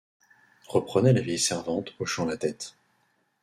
reprenait la vieille servante, hochant la tête.